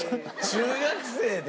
中学生で？